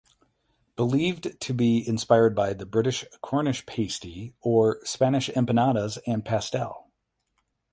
Believed to be inspired by the British Cornish pasty or Spanish empanadas and pastel.